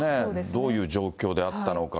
どういう状況であったのか。